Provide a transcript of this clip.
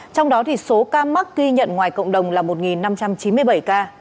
trong đó số ca mắc ghi nhận ngoài cộng đồng là một năm trăm chín mươi bảy ca